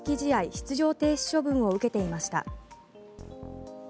出場停止処分を受けていました。